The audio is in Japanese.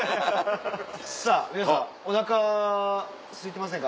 さぁ皆さんおなかすいてませんか？